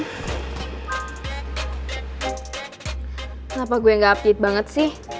kenapa gue gak pit banget sih